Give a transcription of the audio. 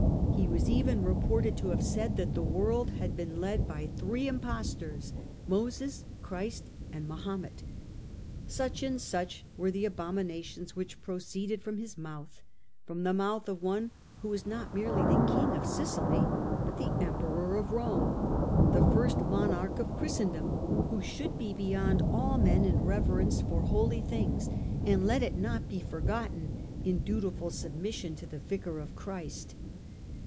He was even reported to have said that the world had been led away by three impostors Moses, Christ and Mahomet. Such and such were the abominations which proceeded from his mouth, from the mouth of one who was not merely the King of Sicily but the Emperor of Rome, the first monarch of Christendom, who should be beyond all men in rever 128 STUPOR MUNDI ence for holy things, and let it not be forgotten in dutiful submission to the Vicar of Christ.